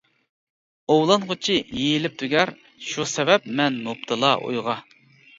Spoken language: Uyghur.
ئوۋلانغۇچى يېيىلىپ تۈگەر، شۇ سەۋەب مەن مۇپتىلا ئويغا.